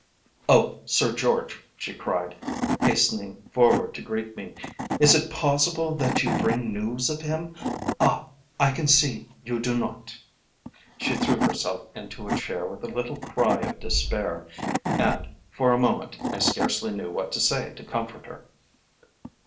"Oh, Sir George!" she cried, hastening forward to greet me, "is it possible that you bring news of him? Ah! I can see you do not." She threw herself into a chair with a little cry of despair, and for a moment I scarcely knew what to say to comfort her.